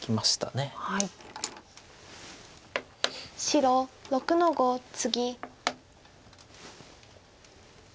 白６の五ツギ。